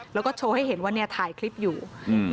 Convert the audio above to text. แล้วก็โชว์ให้เห็นว่าเนี่ยถ่ายคลิปอยู่อืม